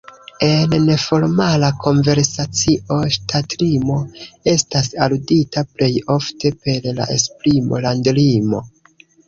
En neformala konversacio ŝtatlimo estas aludita plej ofte per la esprimo landlimo.